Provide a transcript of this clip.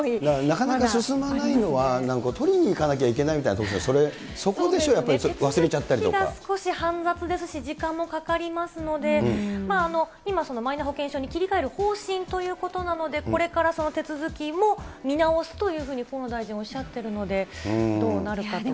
なかなか進まないのは、取りに行かなきゃいけないというのが、そこでしょ、やっぱり、少し煩雑ですし、時間もかかりますので、今、そのマイナ保険証に切り替える方針ということなので、これから手続きも見直すというふうに、河野大臣おっしゃってるので、どうなるかと。